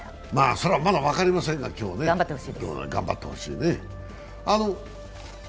それはまだ分かりませんが、今日、頑張ってほしいね。